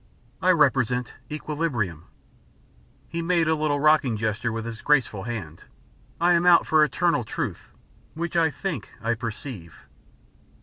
I represent equilibrium " He made a little rocking gesture with his graceful hand. "I am out for Eternal Truth, which I think I perceive."